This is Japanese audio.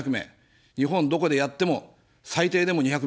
日本どこでやっても、最低でも２００名。